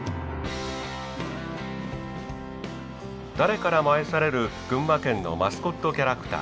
誰からも愛される群馬県のマスコットキャラクター。